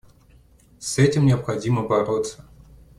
С этим необходимо бороться.